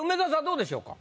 どうでしょうか？